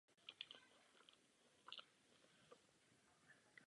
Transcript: Není potřeba instalovat žádné doplňky do prohlížeče.